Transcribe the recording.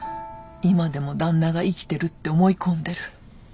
今でも旦那が生きてるって思い込んでる。